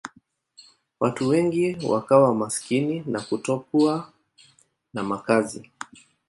Watu wengi wakawa maskini na kutokuwa na makazi.